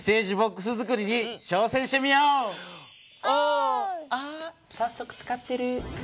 あっ早速使ってる。